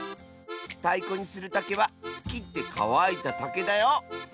たいこにするたけはきってかわいたたけだよ！